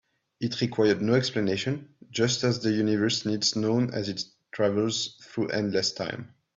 It required no explanation, just as the universe needs none as it travels through endless time.